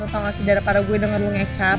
lo tau gak sedara pada gue denger lo ngecap